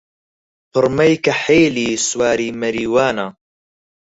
پڕمەی کەحێلی سواری مەریوانە